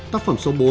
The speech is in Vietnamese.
tác phẩm số bốn